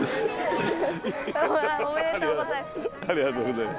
おめでとうございます。